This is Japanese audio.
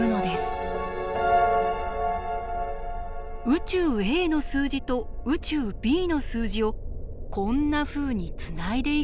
宇宙Ａの数字と宇宙Ｂの数字をこんなふうにつないでいくのです。